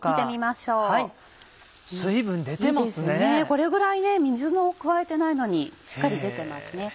これぐらい水も加えてないのにしっかり出てますね。